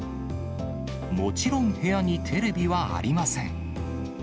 もちろん、部屋にテレビはありません。